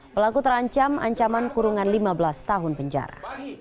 pelaku terancam ancaman kurungan lima belas tahun penjara